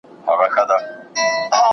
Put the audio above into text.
فعالیتونه د ماشوم زده کړې فرصت زیاتوي.